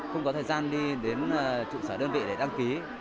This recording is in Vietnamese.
không có thời gian đi đến trụ sở đơn vị để đăng ký